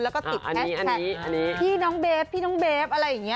แล้วก็ติดแฮชแท็กพี่น้องเบฟพี่น้องเบฟอะไรอย่างนี้